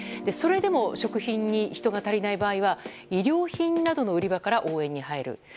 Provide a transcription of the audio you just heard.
それでも食品に人が足りない場合は衣料品などの売り場から応援に入る。